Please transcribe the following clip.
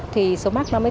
thì số mắc nó mới tăng